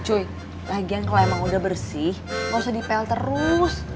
cuy lagi yang kalau emang udah bersih gausah dipel terus